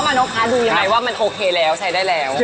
พ่อมโมโกคาดูไงว่ามันโอเคแล้วใส่ได้แล้ว